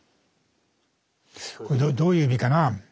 これどういう意味かなあ。